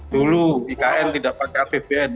dulu ikn tidak pakai apbn